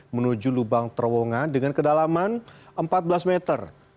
menuju lubang terowongan dengan kedalaman empat belas meter